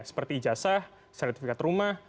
seperti ijazah sertifikat rumah